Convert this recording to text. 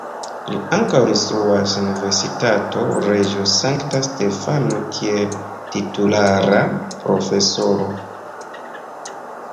Li ankaŭ instruas en Universitato Reĝo Sankta Stefano kiel titulara profesoro.